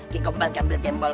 kikombang kembil jempol